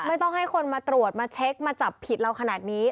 ไม่ต้องให้คนมาตรวจมาเช็คมาจับผิดเราขนาดนี้